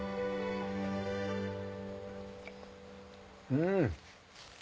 うん。